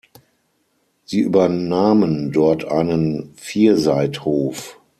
Sie übernahmen dort einen Vierseithof.